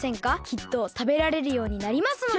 きっとたべられるようになりますので。